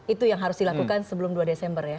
itu yang harus dilakukan sebelum dua desember ya